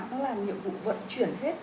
nó làm nhiệm vụ vận chuyển hết